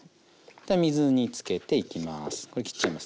水につけていきます。